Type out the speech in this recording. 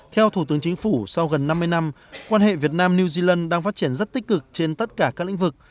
theo thủ tướng chính phủ sau gần năm mươi năm quan hệ việt nam new zealand đang phát triển rất tích cực trên tất cả các lĩnh vực